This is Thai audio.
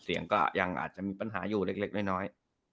เสียงก็ยังอาจจะมีปัญหาอยู่เล็กน้อย